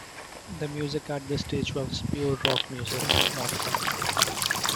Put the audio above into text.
The music at this stage was pure rock music, not funk.